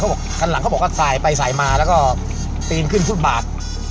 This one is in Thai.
เขาบอกครั้งหลังเขาบอกว่าสายไปสายมาแล้วก็ตีนขึ้นพูดบาด